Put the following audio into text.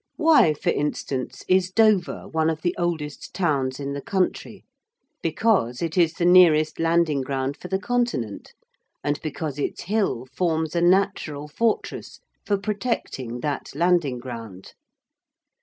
Why, for instance, is Dover one of the oldest towns in the country? Because it is the nearest landing ground for the continent, and because its hill forms a natural fortress for protecting that landing ground.